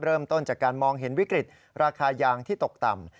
เริ่มต้นจากการมองเห็นวิกฤตราคายางที่ตกต่ำ